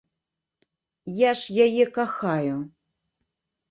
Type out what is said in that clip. Я ж яе кахаю.